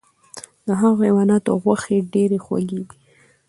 د هغو حیواناتو غوښې ډیرې خوږې دي،